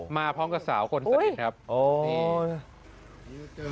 มาพร้อมกับสาวคนสนิทครับ